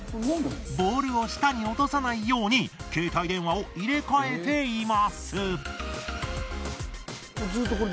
ボールを下に落とさないように携帯電話を入れ替えています。